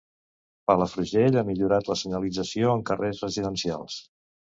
Palafrugell ha millorat la senyalització en carrers residencials.